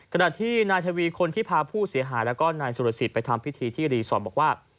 ขณะที่นายทวีคนที่พาผู้เสียหายแล้วก็นายสุรสิทธิ์ไปทำพิธีที่รีสอร์ทบอกว่า